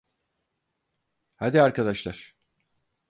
Hadi arkadaşlar.